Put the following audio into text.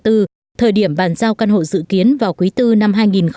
thời điểm bàn giao căn hộ dự kiến vào quý bốn năm hai nghìn hai mươi